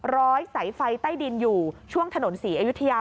ร้อยสายไฟใต้ดินอยู่ช่วงถนนศรีอยุธยา